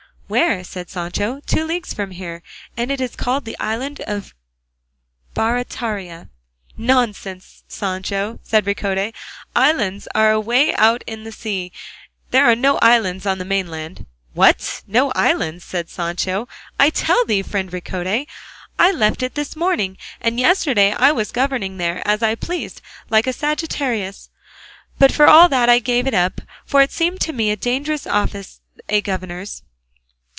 "Where?" said Sancho; "two leagues from here, and it is called the island of Barataria." "Nonsense! Sancho," said Ricote; "islands are away out in the sea; there are no islands on the mainland." "What? No islands!" said Sancho; "I tell thee, friend Ricote, I left it this morning, and yesterday I was governing there as I pleased like a sagittarius; but for all that I gave it up, for it seemed to me a dangerous office, a governor's."